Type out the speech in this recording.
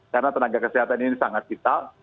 karena tenaga kesehatan ini sangat vital